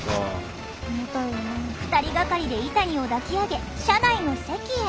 ２人がかりでイタニを抱き上げ車内の席へ。